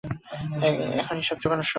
এখন হিসাব চুকানোর সময়।